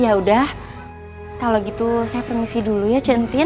ya udah kalau gitu saya permisi dulu ya chenti